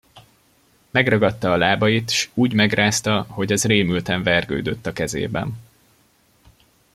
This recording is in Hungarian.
Megragadta a lábait, s úgy megrázta, hogy az rémülten vergődött a kezében.